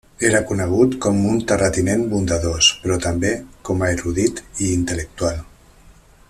Era conegut com un terratinent bondadós però també com a erudit i intel·lectual.